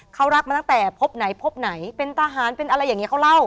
เขารักมาตั้งแต่พบไหนพบไหนเป็นทหารเป็นอะไรอย่างนี้เขาเล่า